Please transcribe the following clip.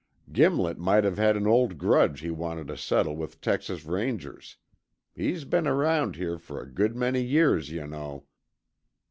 Gimlet might have had an old grudge he wanted to settle with Texas Rangers. He's been around here for a good many years, you know."